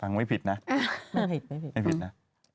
ฟังไม่ผิดนะไม่ผิดนะ